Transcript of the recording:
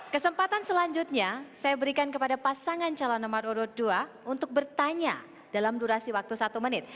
kesempatan selanjutnya saya berikan kepada pasangan calon nomor urut dua untuk bertanya dalam durasi waktu satu menit